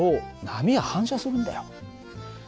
波は反射するんだよ。